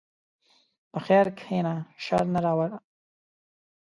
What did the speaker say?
په خیر کښېنه، شر نه راوله.